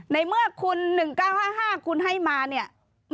ในเมื่อคุณ๑๙๕๕คุณให้มาเนี่ย